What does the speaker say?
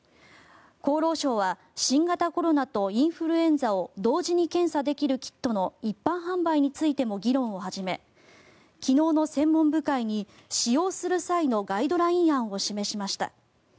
厚労省は新型コロナとインフルエンザを同時に検査できるキットの一般販売についても議論を始め昨日の専門部会に使用する際のガイドライン案を示しました。